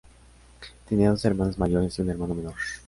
Tenía dos hermanas mayores y un hermano menor.